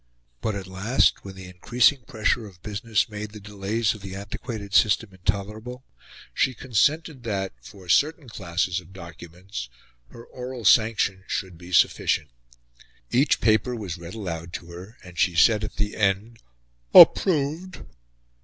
But, at last, when the increasing pressure of business made the delays of the antiquated system intolerable, she consented that, for certain classes of documents, her oral sanction should be sufficient. Each paper was read aloud to her, and she said at the end "Approved."